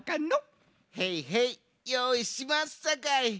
へいへいよういしまっさかい。